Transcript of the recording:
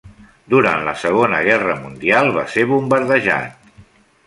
Durant la Segona Guerra Mundial va ser bombardejat.